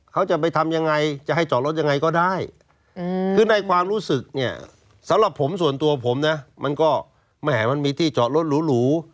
เขาจะไปทำยังไงจะให้จอดรถยังไงก็ได้คือในความรู้สึกเนี่ยสำหรับผมส่วนตัวผมนะมันก็แหมมันมีที่จอดรถหรู